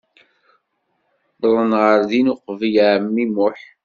Uwḍent ɣer din uqbel ɛemmi Muḥ.